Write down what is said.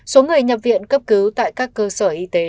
số người nhập viện cấp cứu tại các cơ sở y tế